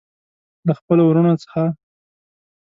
له خپلو وروڼو څخه.